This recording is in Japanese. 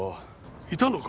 いたのか？